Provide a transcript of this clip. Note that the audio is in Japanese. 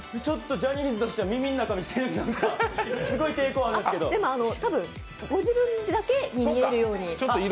ジャニーズとしては耳の中を見せるのはすごい抵抗あるんですけどでも多分、ご自分だけに見えるように。